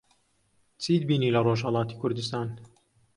چیت بینی لە ڕۆژھەڵاتی کوردستان؟